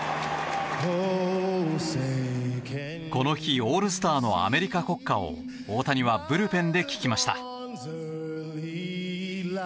この日、オールスターのアメリカ国歌を大谷はブルペンで聴きました。